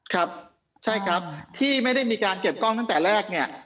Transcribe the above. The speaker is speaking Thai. ครับใช่ครับที่ไม่ได้มีการเก็บกล้องตั้งแต่แรกเนี่ย